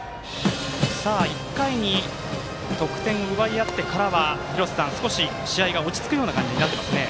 １回に得点を奪い合ってからは廣瀬さん、試合が落ち着く感じになっていますね。